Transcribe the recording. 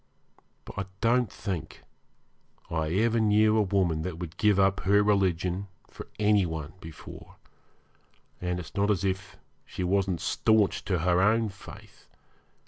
But I don't think I ever knew a woman that would give up her religion for any one before, and it's not as if she wasn't staunch to her own faith.